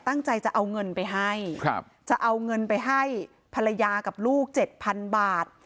ตั้งใจจะเอาเงินไปให้จะเอาเงินไปให้ภรรยากับลูกเจ็ดพันบาท